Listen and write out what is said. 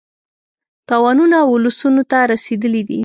تاوانونه اولسونو ته رسېدلي دي.